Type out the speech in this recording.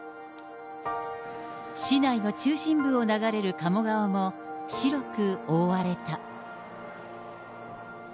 市内の中心部を流れる鴨川も、白く覆われた。